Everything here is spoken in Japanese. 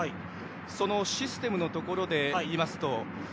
そのシステムのところでいうと。